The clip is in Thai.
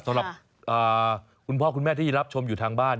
สำหรับคุณพ่อคุณแม่ที่รับชมอยู่ทางบ้าน